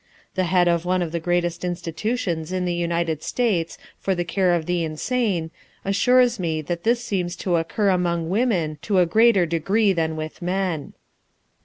The head of one of the greatest institutions in the United States for the care of the insane assures me that this seems to occur among women to a greater degree than with men.